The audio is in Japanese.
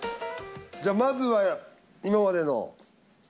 じゃあまずは今までの。